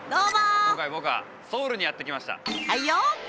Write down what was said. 今回僕はソウルにやって来ました。